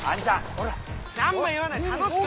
ほら！